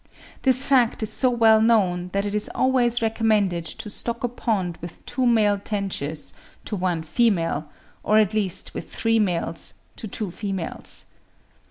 This fact is so well known, that it is always recommended to stock a pond with two male tenches to one female, or at least with three males to two females.